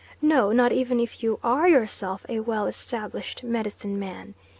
No, not even if you are yourself a well established medicine man.